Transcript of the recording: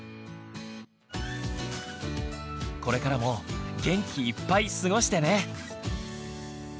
これからも元気いっぱい過ごしてね！